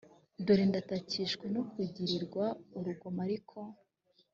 dore ndatakishwa no kugirirwa urugomo ariko